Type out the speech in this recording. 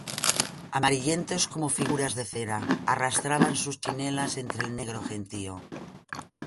amarillentos como figuras de cera, arrastraban sus chinelas entre el negro gentío